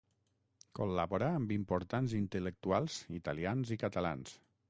Col·laborà amb importants intel·lectuals italians i catalans.